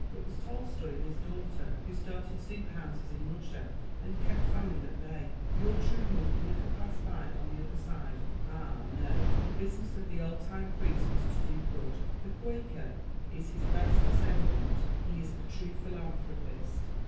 It was Tolstoy and his daughter who started soup houses in Russia and kept famine at bay. Your true monk never passed by on the other side; ah, no! the business of the old time priest was to do good. The Quaker is his best descendant he is the true philanthropist.